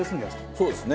そうですね。